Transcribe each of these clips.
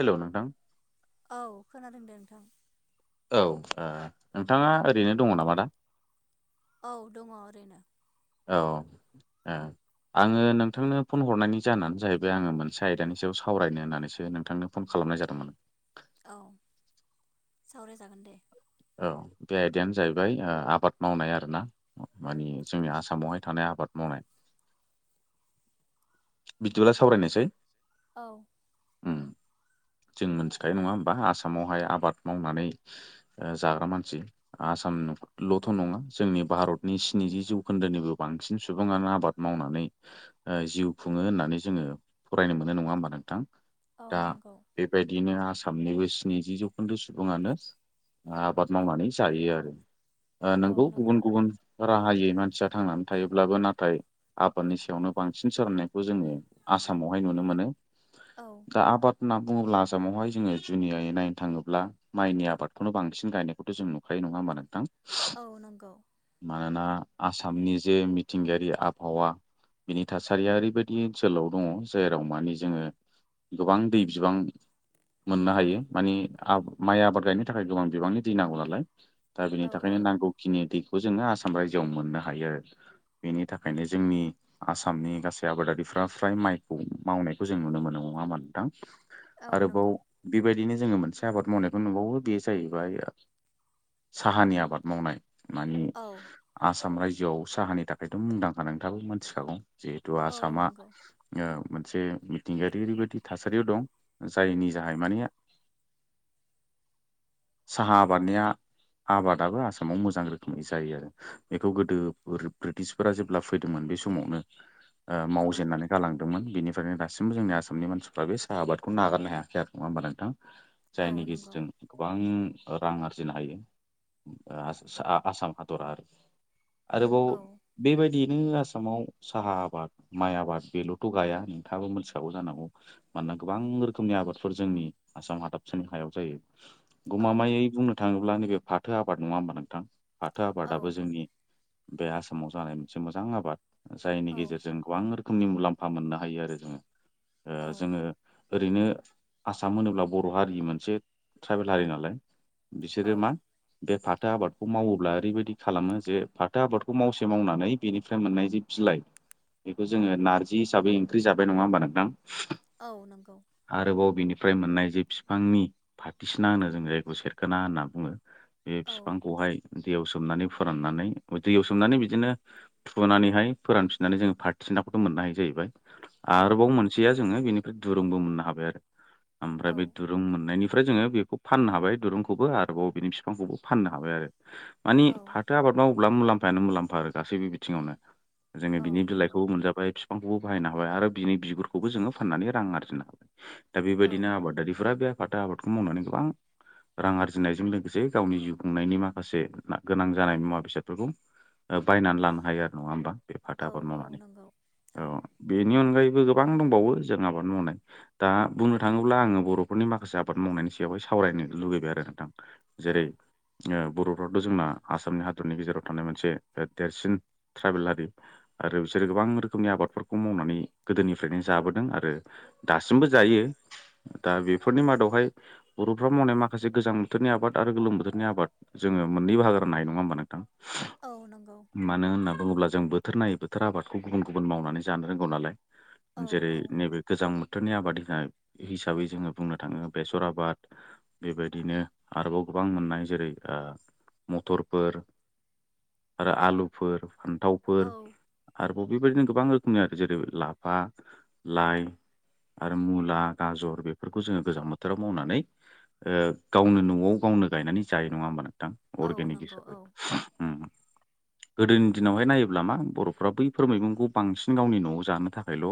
हेल' नोंथां औ खोनादों दे नोंथां औव नोंथांङा ओरैनो दंङ नामा दा? औव दंङ ओरैयनो औ औ आंङो नोंथांनो फन हरनायनि जाहाना जाहैबाय आंङो मोनसे आयदानि सायाव सावरायनो होननानैसो नोंथांनो फन खालामनाय जादोंमोन? औव सावरायजागोन दे। औव बे आयदायानो जाहैबाय आबाद मावनाय आरोना। माने जोंनि आसामावहाय थानाय आबाद मावनाय बिदिब्ला सावरायनोसैय औव जों मोनथिखायो नंङा होमबा आसामावहाय आबाद मावनानै जाग्रा मानसि आसामनि ल'थ' नंङा जोंनि भारतनि स्निजि जौखोन्दोनिबो बांसिन सुबुंङानो आबाद मावनानैय जिउ खुंङो होननानै जोंङो फरायनो मोनो नंङा होमबा नोंथां? दा औव नंगौव। बेबायदिनो आसामनिबो स्निजि जौखोन्दो सुबुंङानो आबाद मावनानै जायो आरो औ नोंगौ गुबुन नंगौ गुबुन राहायै मानसिया थांनानै थायोब्लाबो नाथाय आबादनि सायावनो बांसिन सोनारनानै जोंङो आसामावहाय नुनो मोनो औ दा आबाद होनना बुंङोब्ला आसामावहाय जोंङो जुनियै नायनो थांङोब्ला माइनि आबाद बेखौनो बांसिन गायनायखौ' जों नुखायो नंङा होमबा नोंथां। औ नंगौव। मानोना आसामनि जे मिथिंगायारि आबहावा बिनि थासारिया ओरैबायदि ओनसोलाव दंङ जेराव माने जोंङो गोबां दै बिबां मोननो हायो माने माइ आबाद गायनो थाखाय गोबां बिबांनि दै नांगौ नालाय दा औ बिनि औ थाखायनो नांगौ। खिनि दैखौ जोंङो आसाम रायजोआव मोननो हायो आरो बेनि थाखायनो जोंनि आसामनि गासै आबादारिफ्रा फ्राय माइखौ मावनायखौ जों नुनो मोनो नंङा होनबा नोंथां। औ आरोबाव नंगौ बेबायदिनो जोंङो मोनसे आबाद मावनायखौ नुबावो बे जाहैबाय साहानि आबाद मावनाय मानि औ आसाम रायजोआव साहानि थाखायथ' मुंदांखा नोंथांङाबो मिथिखागौ जिहेथु औ आसामा नंगौ मोनसे मिथिंगायारि ओरैबायदि थासारियाव दं जायनि जाहै माने साहा आबादनिया आबादाबो आसामाव मोजां रोखोमै जायो आरो बेखौ गोदो ब्रिटिसफोरा जेब्ला फैदोंमोन बे समावनो औ मावजेननानै गालांदोंमोन बेनिफ्रायनो दासिमबो जोंनि आसामनि मानसिफ्रा बे साहा आबादखौ नागारनो हायाखै आरो नंङा होमबा नोंथां। औ जायनि नंगौ गेजेरजों गोबां रां आरजिनो हायो ओ [unintelligible] आसाम हादरा आरो। आरोबाव औ बेबायदियैनो आसामाव साहा आबाद माइ आबाद बेल'थ' गाया नोंथांङाबो मोनथिखागौ जानांगौ। मानोना गोबां रोखोमनि आबादफोर जोंनि आसाम हादाबसानि हायाव जायो। औ गमामायै बुंनो थांङोब्ला नैबे फाथो आबाद नंङा होमबा नोंथां फाथो आबादाबो औ जोंनि बे आसामाव जानाय मोनसे मोजां आबाद जायनि औ गेजेरजों गोबां रोखोमनि मुलाम्फा मोननो हायो आरो जोंङो ओ औ जोंङो ओरैनो आसाम होनोब्ला बर' हारि मोनसे ट्राइबेल हारि नालाय बिसोरो औ मा बे फाथो आबादखौ मावोब्ला ओरैबायदि खालामो जे फाथो आबादखौ मावसे मावनानै बेनिफ्राय मोननाय जि बिलाइ बेखौ जोंङो नारजि हिसाबै ओंख्रि जाबाय नंङा होमबा नोंथां? औ नंगौ। आरोबाव बिनिफ्राय मोननाय जे फिफांनि फाथसिना होनो जों जायखौ सेरखोना होनना बुङो बे औ फिफांखौहाय दैयाव सोमनानै फोराननानै ओ दैयाव सोमनानै बिदिनो थुनानैहाय फोरानफिननानै जोंङो फारथिसिनाखौथ' मोननो हायो जाहैबाय। औ आरोबाव मोनसेया जोङो बेनिफ्राय दुरुंबो मोननो हाबाय आरो ओमफ्राय बे औ दुरुं मोननायनि ओमफ्राय जोङो बेखौ फाननो हाबाय दुरुंखौबो आरोबाव बेनि फिफांखौबो फाननो हाबाय आरो। मानि फाथो आबाद मावोब्ला मुलाम्फायानो मुलाम्फा आरो गासैबो बिथिङावनो। जोङो औ बिनि नंगौ बिलाइखौ मोनजाबाय फि बिफांखौबो बाहायनो हाबाय आरो बिनि बिगुरखौबो जोङो फाननानै रां आरजिनो हा दा बेबायदिनो आबादारिफोरा बेफाथो आबादखौ मावनानै गोबां रां आरजिनायजों लोगोसे गावनि जिउ खुंनायनि माखासे मा गोनां जानाय मुवा बेसादफोरखौ ओ बायनानै लानो हायो आरो नङा होमबा बे फाथो आबाद मावनानै औ। बेनि अनगायैबो गोबां दंबावो जों आबाद मावनाय दा बुंनो थाङोब्ला आङो बर'फोरनि माखासे आ आबाद मावनायनि सायावहाय सावरायनो लुगैबाय आरो नोंथां जेरै ओ बर'फ्राथ' जोंना आसामनि हादरनि गेजेराव थानाय मोनसे देरसिन ट्राइबेला हारि। आरो बिसोरो गोबां रोखोमनि आबादफोरखौ मावनानै गोदोनिफ्रायनो जाबोदों आरो दासिमबो जायो दा बेफोरनि मादाव बेवहाय बर'फ्रा मावनाय माखासे गोजां बोथोरनि आबाद आरो गोलोम बोथोरनि आबाद जोङो मोननै बाहागो राननो हायो नङा होमबा नोंथां? औ नंगौ। मानो होनना बुङोब्ला जों बोथोर नायै बोथोर आबादखौ गुबुन गुबुन मावनानै जानो रोंगौ औ नालाय। जेरै औ नैबे गोजां बोथोरनि आबाद होनाय हिसाबै जोङो बुंनो थाङो। बेसर आबाद। बेबायदिनो आरोबाव गोबां मोननाय जेरै ओ मथरफोर। आरो आलुफोर फान्थावफोर। औ आरोबाव बेबायदिनो गोबां रोखोमनि आरो जेरै लाफा लाइ आरो मुला गाजर बेफोरखौ जोङो गोजां बो थोराव मावनानै ओ गावनो न'आव गावनो गायनानै जायो नङा होमबा नों थां औ अर्गनिक नंगौ औ हिसाबै उम। गोदोनि दिनावहाय नायोब्ला मा बर'फ्रा बैफोर मैगंखौ बांसिन गावनि न'आव जानो थाखायल'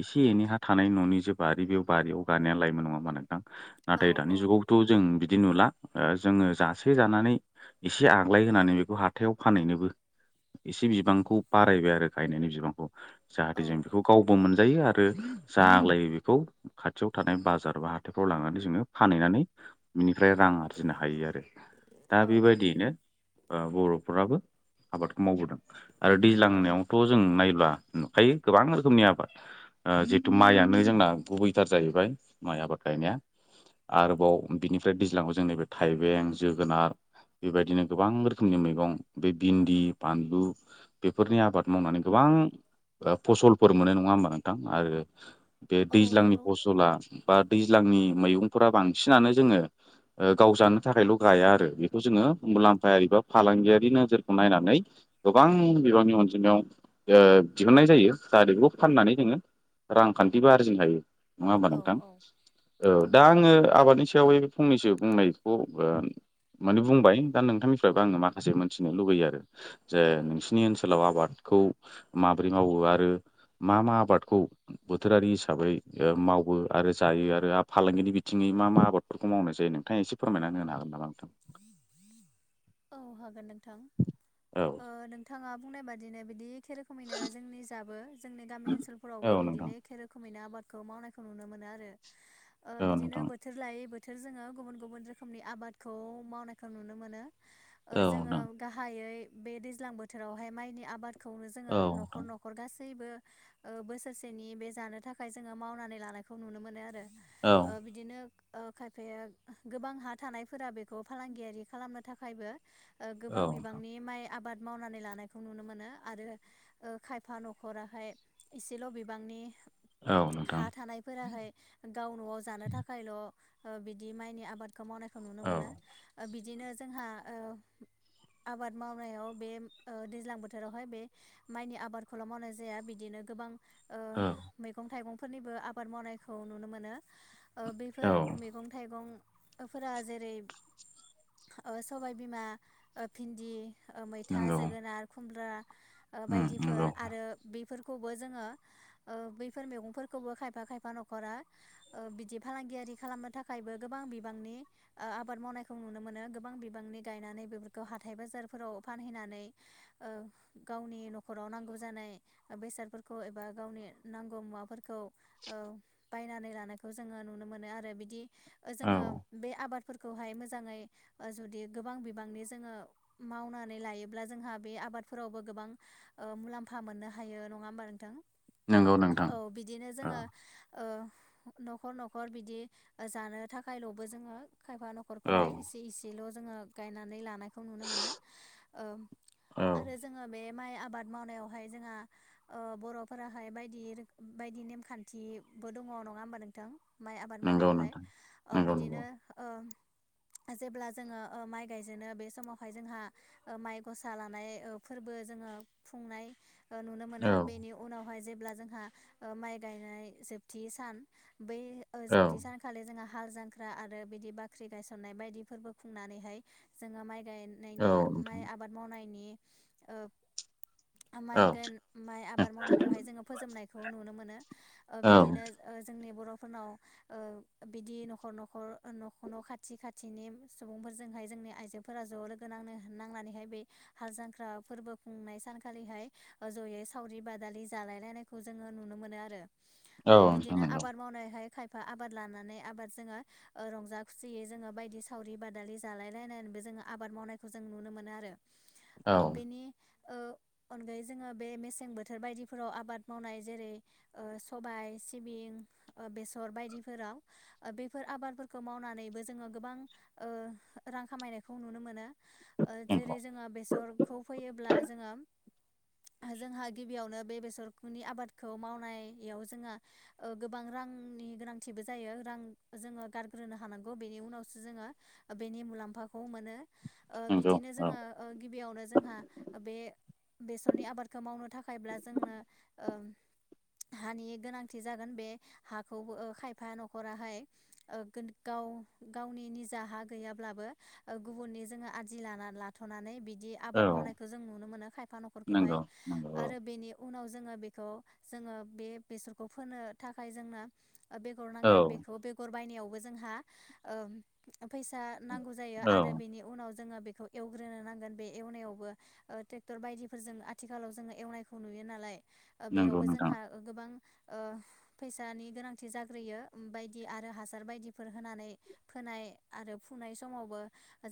एसे एनै हा थानाय न'नि जे बारि बे बारियाव गायना लायमोन नङा होनबा नोंथां नाथाय दानि औ जुगाव थ' जों बिदि नुला ओ जोङो जासे जानानै एसे आग्लाय होनानै बेखौ हाथायाव फानहैनोबो एसे बिबांखौ बारायबाय आरो गायनायनि बिबांखौ। जाहाथे जों बेखौ गावबो मोनजायो आरो जा आग्लायो बेखौ खाथियाव थानाय बाजार बा हा हाथायफोराव लांनानै जोङो फानहैनानै बिनिफ्राय रां आरजिनो हायो आरो दा औ बेबायदियैनो ओ बर'फोराबो आबादखौ मावबोदों आरो औ औ दैज्लांनायावथ' जों नायब्ला नुखायो गोबां रोखोमनि आबाद ओ जिहेतु माइयानो जोंना गुबैथार जाहैबाय माइ आबाद गायनाया आरोबाव बिनिफ्राय दैज्लांआव जों नैबे थाइबें जोगोनार बेबायदिनो गोबां रोखोमनि मैगं बे बिन्दि बानलु बेफोरनि आबाद मावनानै गोबां फसलफोर मोनो नङा होमबा नोंथां आरो बे औ दैज्लांनि नंगौ फसला बा दैज्लांनि मैगंफोरा बांसिनानो जोङो ओ गावजानो थाखायल' गाया आरो बेखौ जोङो मुलाम्फायारि बा फालांगियारि नोजोरखौ नायनानै गोबां बिबांनि अनजिमायाव ओ दिहुननाय जायो जाहाथे बेखौ फाननानै जोङो रांखान्थिबो आरजिनो हायो नङा होमबा औ नोंथां? औ औ दा आङो आबादनि सायाव फंनैसो बुंनायखौ ओ माने बुंबाय दा नोंथांनिफ्रायबो आङो माखासे मोनथिनो लुबैयो आरो। जे नोंसिनि ओनसोलाव आबादखौ माबोरै मावो आरो मा मा आबादखौ बोथोरारि हिसाबै मावो आरो जायो आरो आरो फालांगिनि बिथिङै मा मा आबादफोरखौ मावनाय जायो नोंथाङा एसे फोरमायना होनो हागोन नामा [unintelligible] औ हागोन नोंथां औ ओ नों थाङा बुंनाय बादिनो बिदि एखे रोखोमैनो जोंनि जाबो जोंनि गामि ओनसोलफोरावबो औ नोंथां बिदिनो एखे रोखोमैनो आबादखौ मावनायखौ नुनो मोनो आरो ओ औ बिदिनो नोंथां बोथो बोथोर लायै बोथोर जोङो गुबुन - गुबुन रोखोमनि आबादखौ मावनायखौ नुनो मोनो औ जोङो नोंथां गाहायै बे दैज्लां बोथोरावहाय माइनि आबादखौनो जोङो औ न'खर नोंथां नख नखर गासैबो ओ बोसोरसेनि बे जानो थाखाय जोङो मावनानै लानायखौ नुनो मोनो आरो। औ ओ बिदिनो ओ खायफाया गोबां हा थानाय फोरा बेखौ फालांगियारि खालामनो थाखायबो ओ औ गोबां नोंथां बिबांनि माइ आबाद मावनानै लानायखौ नुनो मोनो आरो खायफा न'खराहाय एसेल' बिबांनि औ नोंथां हा थानायफोराहाय गाव न'आव जानो थाखायल' ओ बिदि माइनि आबादखौ मावनायखौ नुनो औ मोनो। ओ बिदिनो जोंहा ओ आबाद मावनायाव बे ओ दैज्लां बोथोरावहाय बे माइनि आबादखौल' मावनाय जाया बिदिनो गोबां ओ औ मैगं थाइगंफोरनिबो आबाद मावनायखौ नुनो मोनो। ओ औ बेफोर मैगं थाइगं फोरा जेरै ओ सबायबिमा ओ भिन्दि ओ मैथा नंगौ जोगोनार खुमब्रा ओ उम नंगौ बायदिफोर आरो बेफोरखौबो जोङो ओ बैफोर मैगंफोरखौबो खायफा खायफा न'खरा ओ बिदि फालांगियारि खालामनो थाखायबो गोबां बिबांनि ओ आबाद मावनायखौ नुनो मोनो बिबांनि गायनानै बेफोरखौ हाथाय बाजारफोराव फानहैनानै ओ गावनि न'खराव नांगौ जानाय बेसादफोरखौ एबा गावनि नांगौ मुवाफोरखौ ओ बायनानै लानायखौ जोङो नुनो मोनो आरो बिदि ओ औ जोङो बे आबादफोरखौहाय मोजाङै आ जुदि गोबां बिबांनि जोङो मावनानै लायोब्ला जोंहा बे आबादफोरावबो गोबां ओ मुलाम्फा मोननो हायो नङा होमबा नोंथां नंगौ नोंथां औ बिदिनो औ जोङो ओ न'खर न'खर बिदि जानो थाखायल'बो जोङो खायफा नखर औ खौहाय इसे इसेल' जोङो गायनानै लानायखौ नुनो मोनो औ आरो जोङो बे माइ आबाद मावनायावहाय जोंहा ओ बर'फोराहाय बायदि रोखो बायदि नेमखान्थिबो दङ नङा होमबा नोंथां? माइ आबाद नंगौ मावनायावहाय नोंथां ओ नंगौ बि नंगौ ओ जेब्ला जोङो ओ माइ गायजेनो बे समावहाय जोंहा ओ माइ गसा लानाय ओ फोरबो जोङो खुंनाय ओ नुनो औ मोनो बेनि उनावहाय जेब्ला जोंहा माइ गायनाय जोबथि सान बै औ जोबथि सान खालि जोङो हाल जांख्रा आरो बिदि बाख्रि गायसननाय बायदिफोरबो खुंनानैहाय जोङो माइ गाय औ नायनायनि माइ नोंथां आबाद मावनायनि ओ माइ औ - माइ आबाद मावनायखौहाय जोङो फोजोबनायखौ नुनो मोनो ओ औ बिदिनो ओ जोंनि बर'फोरनाव बिदि ओ न'खर न'खर कर' न'खर न' खाथि खाथिनि सुबुंफोरजोंहाय जोंनि आइजोफोरा ज' लोगो नांनो नांनानैहाय बे हाल जांख्रा फोरबो खुंनाय सानखालिहाय जयै सावरि बादालि जालाय लायनायज खौ जोङो नुनो मोनो आरो औ नोंथां बिदिनो नंगौ आबाद मावनायहाय आबाद लानानै आबाद जोंङो ओ रंजा खुसियै जोङो बायदि सावरि बादालि जालाय लायनानैबो जोङो आबाद मावनायखौ जों नुनो मोनो आरो औ बेनि ओ अनगायै जोङो बे मेसें बोथोर बायदिफोराव आबाद मावनाय जेरै ओ सबाय सिबिं ओ बेसर बायदिफोराव बे बेफोर आबादफोरखौ मावनानैबो जोङो गोबां ओ रां खामायनायखौ नुनो मोनो। ओ जेरै नंगौ जोङो बेसरखौ फैयोब्ला जोङो जोंहा गिबियावनो बे बेसरनि आबादखौ मावनायाव जोंहा ओ गोबां रांनि गोनांथिबो जायो रां जोङो गारग्रोनो हानांगौ बेनि उनावसो जोङो बेनि मुलाम्फाखौ मोनो नंगौ बिदिनो औ जोङो गिबियावनो जोंहा बे बेसरनि आबादखौ मावनो थाखायब्ला जोंनो ओ हानि गोनांथि जागोन बे हाखौ ओ खायफा न'खराहाय गाव गावनि निजाहा गैयाब्लाबो ओ गुबुननि जोङो आदि लाना लाथ'नानै बिदि औ आबाद मावनायखौ जों नुनो मोनो खायफा न'फोरखौहाय नंगौ नंगौ औ आरो बेनि उनाव जोङो बेखौ जोङो बे बेसरखौ फोनो थाखाय जोङो बेगर नांगोन बेखौ बेगर बायनायावबो जोंहा ओ फैसा नांगौ जायो औ औ आरो बेनि उनाव जोङो बेखौ एवग्रोनो नांगोन बे एवनायावबो ओ ट्रेक्टर बायदिफोरजों आथिखालाव जोङो एवनायखौ नुयो नालाय ओ नंगौ बेयावबो नोंथां जोंहा गोबां ओ फैसानि गोनांथि जाग्रोयो ओमफाय बिदि आरो हासार बायदिफोर होनानै फोनाय आरो फुनाय समावबो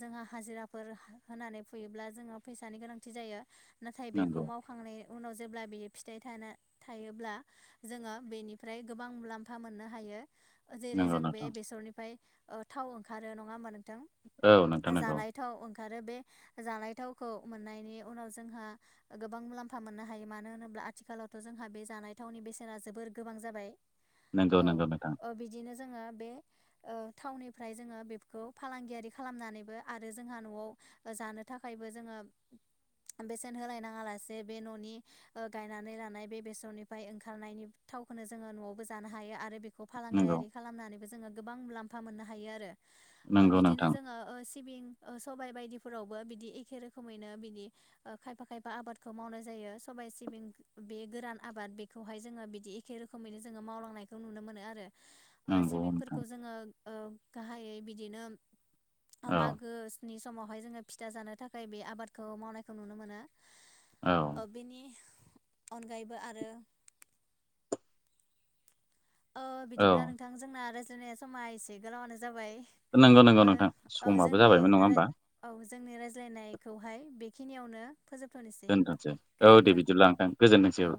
जोंहा हाजिराफोर होनानै फैयोब्ला जोङो फैसानि गोनांथि जायो नाथाय बेखौ नंगौ माव फांनायनि उनाव जेब्ला बियो फिथाइ थाना थायोब्ला जोङो बेनिफ्राय गोबां मुलाम्फा मोननो हायो। जेरै नंगौ जों बे नोंथां बेसरनिफ्राय ओ थाव ओंखारो नङा होमबा नोंथां औ नोंथां जानाय थाव ओंखारो बे जानाय थावखौ मोननायनि उनाव जोंहा गोबां मुलाम्फा मोननो हायो मानो होनोब्ला आथिखालावथ' जोंहा बे जानाय थावनि बेसेना जोबोर गोबां जाबाय नंगौ औ नंगौ नोंथां। ओ बिदिनो जोङो बे ओ थावनिफ्राय जोङो बेफोरखौ फालांगियारि खालामनानैबो आरो जोंहा न'आव ओ जानो थाखायबो जोङो बेसेन होलायनाङा लासे बे न'नि ओ गायनानै लानाय बे बेसरनिफ्राय ओंखारनायनि थावखौनो जोङो न'आवबो जानो हायो आरो बेखौ नंगौ फालांगायारि खालामनानैबो जोङो गोबां मुलाम्फा मोननो हायो आरो। ओ नंगौ बिदिनो नोंथां जोङो ओ सिबिं ओ सबाय बायदिफोरावबो बिदि एखे रोखोमैनो बिदि ओ खायफा खायफा आबादखौ मावनाय जायो सबाइ, सिबिं बे गोरान आबाद। बे खौहाय जोङो बिदि एखे रोखोमैनो जोङो मावलांनायखौ नुनो मोनो आ रो ओ नंगौ नोंथां सिबिंफोरखौ जोङो ओ गाहायै बिदिनो ओ औ मागोनि समावहाय जोङो फिथा जानो थाखाय बे आबादखौ मावनायखौ नुनो मोनो। औ। ओ बेनि अनगायैबो आरो ओ औ बिदिब्ला नोंथां जोंना रायज्लायनाया समा एसे गोलावानो जाबाय। नंगौ नंगौ ओ नोंथां औ समाबो जोंनि जाबायमोन नङा राय होमबा औ जोंनि रायज्लायनायखौहाय बेखिनियावनो फोजोबथ'नोसै, दोनथ'सै औ दे गोजोन्थों। बिदिब्ला नोंथां गोजोनथोंसै औ।